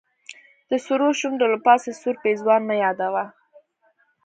د سرو شونډو له پاسه سور پېزوان مه یادوه.